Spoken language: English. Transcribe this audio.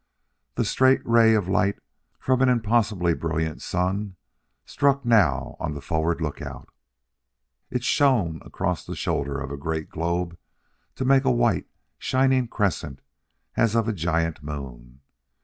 The straight ray of light from an impossibly brilliant sun struck now on a forward lookout; it shone across the shoulder of a great globe to make a white, shining crescent as of a giant moon.